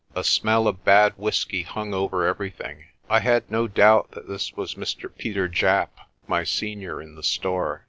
A smell of bad whisky hung over everything. I had no doubt that this was Mr. Peter Japp, my senior in the store.